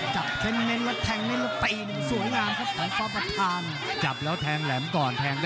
จกง่ายขึ้นเลยแดง